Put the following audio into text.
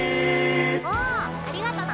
おありがとな！